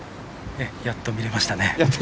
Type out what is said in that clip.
やっと見れましたね。